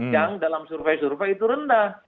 yang dalam survei survei itu rendah